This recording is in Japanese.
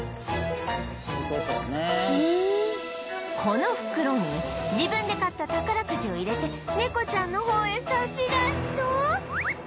この袋に自分で買った宝くじを入れて猫ちゃんの方へ差し出すと